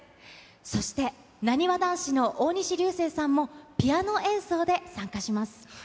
そして、なにわ男子の大西流星さんも、ピアノ演奏で参加します。